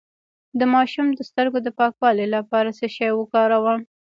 د ماشوم د سترګو د پاکوالي لپاره څه شی وکاروم؟